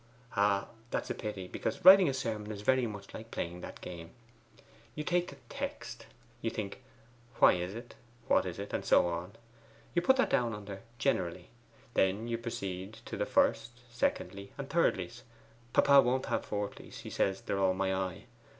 'Ah, that's a pity, because writing a sermon is very much like playing that game. You take the text. You think, why is it? what is it? and so on. You put that down under "Generally." Then you proceed to the First, Secondly, and Thirdly. Papa won't have Fourthlys says they are all my eye.